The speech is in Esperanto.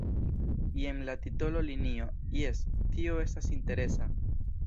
Jen la titola linio — jes, tio estas interesa!